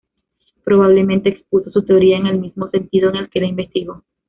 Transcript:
Probablemente expuso su teoría en el mismo sentido en el que la investigó.